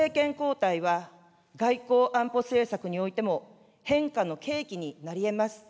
政権交代は外交・安保政策においても、変化の契機になりえます。